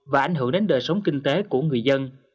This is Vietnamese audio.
và ảnh hưởng đến đời sống kinh tế của người dân